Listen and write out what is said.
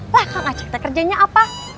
lah kak ngaceng teh kerjanya apa